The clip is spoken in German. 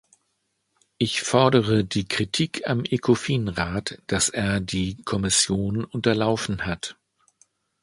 Ich fordere die Kritik am Ecofin-Rat, dass er die Kommission unterlaufen hat.